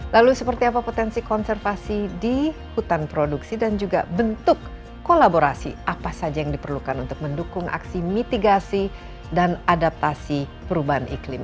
lalu seperti apa potensi konservasi di hutan produksi dan juga bentuk kolaborasi apa saja yang diperlukan untuk mendukung aksi mitigasi dan adaptasi perubahan iklim